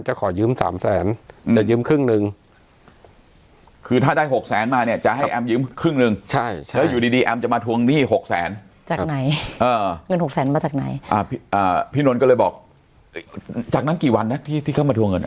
จากนั้นกี่วันนะที่เข้ามาทัวร์เงิน